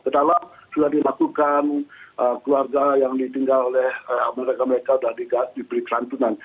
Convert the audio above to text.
dalam sudah dilakukan keluarga yang ditinggal oleh mereka mereka sudah diberi kesantunan